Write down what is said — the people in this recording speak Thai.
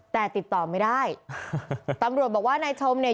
แต่ติดต่อไม่ได้ตำรวจบอกว่านายชมเนี่ย